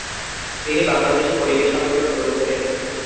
তিনি বাংলাদেশে পরিবেশ আন্দোলন গড়ে তোলেন।